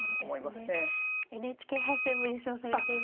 ＮＨＫ杯戦も優勝されていますね。